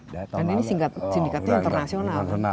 dan ini sindikatnya internasional